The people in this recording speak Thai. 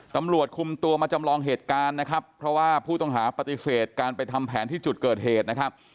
ตำรวจคุมตัวมาจำลองเหตุการณ์นะครับเพราะว่าผู้ต้องหาปฏิเสธการไปทำแผนที่จุดเกิดเหตุนะครับ